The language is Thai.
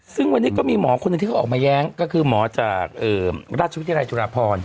ซึ่งวันนี้ก็มีหมอคนหนึ่งที่เขาออกมาแย้งก็คือหมอจากราชวิทยาลัยจุฬาพร